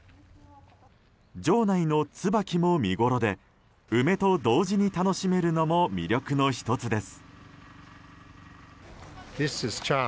城内のツバキも見ごろで梅と同時に楽しめるのも魅力の１つです。